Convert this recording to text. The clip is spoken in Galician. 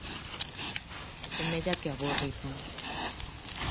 E semella que a bo ritmo.